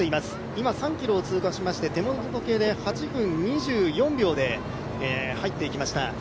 今、３ｋｍを通過しまして８分２４秒で入っていきました。